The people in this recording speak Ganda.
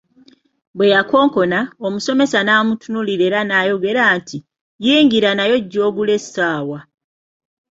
Bwe yakonkona, omusomesa n’amutunuulira era n’ayogera nti “Yingira naye ojje ogule essaawa”.